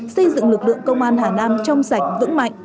xây dựng lực lượng công an hà nam trong sạch vững mạnh